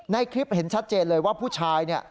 ในคลิปเห็นชัดเจนเลยว่าผู้ชายเนี่ย